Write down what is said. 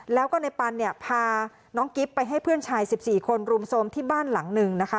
แล้วก็ในปันเนี่ยพาน้องกิ๊บไปให้เพื่อนชาย๑๔คนรุมโทรมที่บ้านหลังหนึ่งนะคะ